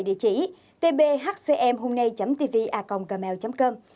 địa chỉ tbhcmhungnay tv a gmail com